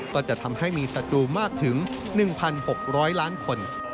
ก็จะทำให้มีศัตรูมากถึง๑๖๐๐ล้านคน